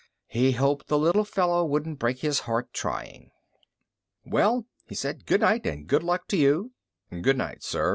He hoped the little fellow wouldn't break his heart trying. "Well," he said, "goodnight, and good luck to you." "Goodnight, sir.